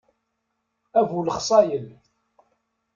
A bu lexṣayel.